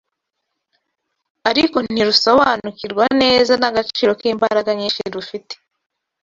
ariko ntirusobanukirwa neza n’agaciro k’imbaraga nyinshi rufite